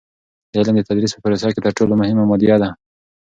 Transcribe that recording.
د علم د تدریس په پروسه کې تر ټولو مهمه مادیه ده.